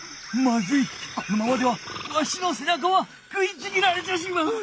まずいこのままではわしのせなかは食いちぎられてしまう！